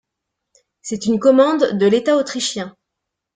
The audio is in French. C'est une commande de l'État autrichien.